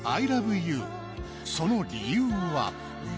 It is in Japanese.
その理由は？